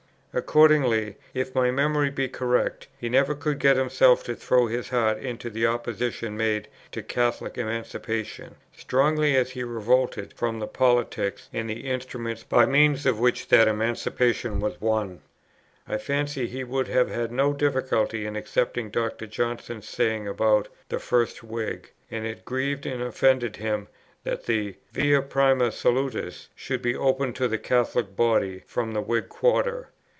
Accordingly, if my memory be correct, he never could get himself to throw his heart into the opposition made to Catholic Emancipation, strongly as he revolted from the politics and the instruments by means of which that Emancipation was won. I fancy he would have had no difficulty in accepting Dr. Johnson's saying about "the first Whig;" and it grieved and offended him that the "Via prima salutis" should be opened to the Catholic body from the Whig quarter.